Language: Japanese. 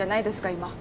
今。